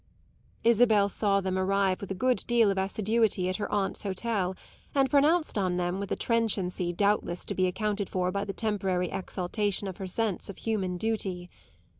Isabel saw them arrive with a good deal of assiduity at her aunt's hotel, and pronounced on them with a trenchancy doubtless to be accounted for by the temporary exaltation of her sense of human duty.